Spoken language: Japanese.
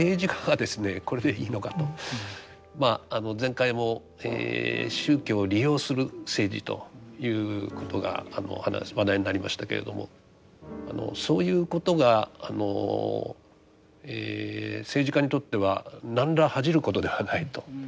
まあ前回も宗教を利用する政治ということが話題になりましたけれどもそういうことが政治家にとっては何ら恥じることではないと。